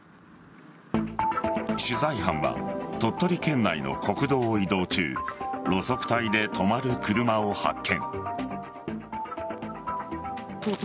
取材班は鳥取県内の国道を移動中路側帯で止まる車を発見。